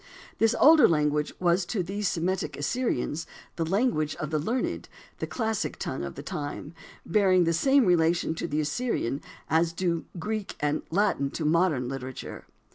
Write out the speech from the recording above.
This older language was to these Semitic Assyrians the language of the learned, the classic tongue of the time, bearing the same relation to the Assyrian as do Greek and Latin to modern literature.